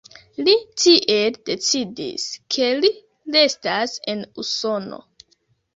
Li tiel decidis, ke li restas en Usono.